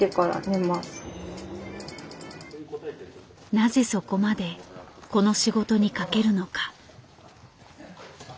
なぜそこまでこの仕事にかけるのか。